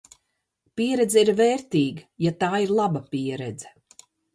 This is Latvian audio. Pieredze ir vērtīga, ja tā ir laba pieredze.